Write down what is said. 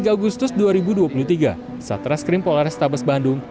dua puluh tiga agustus dua ribu dua puluh tiga satra skrim polares tabas bandung